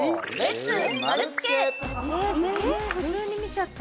全然、普通に見ちゃった。